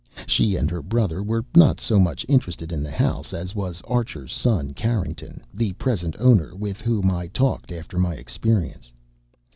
She and her brother were not so much interested in the house as was Archer's son Carrington, the present owner, with whom I talked after my experience.